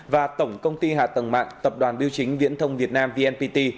và tổng công ty hạ tầng mạng tập đoàn biêu chính viễn thông việt nam vnpt